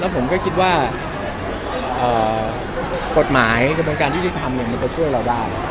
แล้วผมก็คิดว่ากฎหมายกระบวนการที่ที่ทำเนี่ยมันก็ช่วยเราได้